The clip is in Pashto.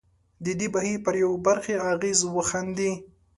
د دې بهیر پر یوې برخې اغېز وښندي.